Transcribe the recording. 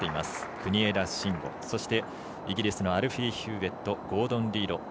国枝慎吾そして、イギリスのアルフィー・ヒューウェットゴードン・リード。